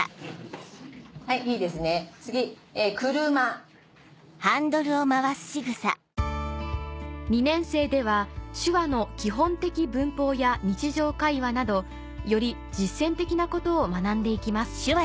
次「車」・２年生では手話の基本的文法や日常会話などより実践的なことを学んで行きます